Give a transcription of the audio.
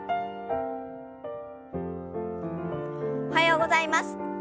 おはようございます。